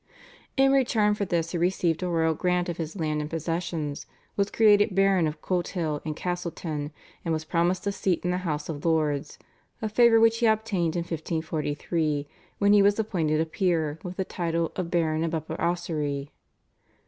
In return for this he received a royal grant of his land and possessions, was created Baron of Colthill and Castleton, and was promised a seat in the House of Lords, a favour which he obtained in 1543, when he was appointed a peer with the title of Baron of Upper Ossory.